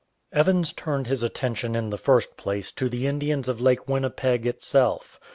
Evans turned his attention in the first place to the Indians of Lake Winnipeg itself.